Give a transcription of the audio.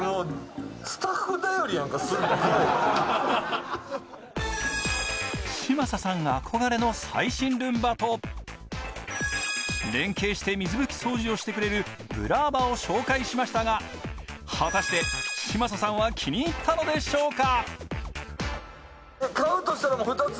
すっげえ嶋佐さんが憧れの最新ルンバと連携して水拭き掃除をしてくれるブラーバを紹介しましたが果たして嶋佐さんは気に入ったのでしょうか？